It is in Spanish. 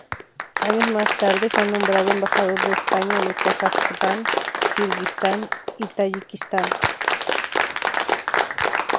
Años más tarde fue nombrado Embajador de España en Kazajstán, Kirguistán y Tayikistán.